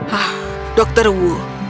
hah dokter wu